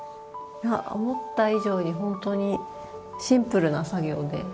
思った以上に本当にシンプルな作業で。